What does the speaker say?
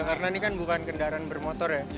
karena ini kan bukan kendaraan bermotor ya